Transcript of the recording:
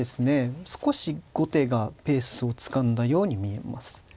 少し後手がペースをつかんだように見えます。